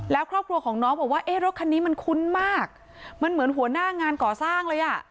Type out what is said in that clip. แล้วครอบครัวของน้องบอกว่าเอ๊ะรถคันนี้มันคุ้นมากมันเหมือนหัวหน้างานก่อสร้างเลยอ่ะ